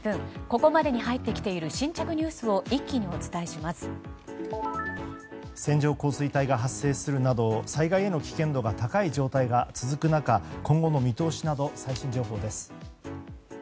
ここまでに入ってきている新着ニュースを線状降水帯が発生するなど災害への危険が高い状態が続く中今後の見通しなど最新情報です。